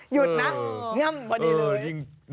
หยุดนะเงียบพอดีเลย